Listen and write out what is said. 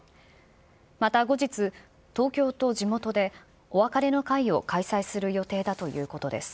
また後日、東京と地元でお別れの会を開催する予定だということです。